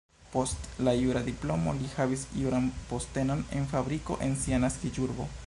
Post la jura diplomo li havis juran postenon en fabriko en sia naskiĝurbo.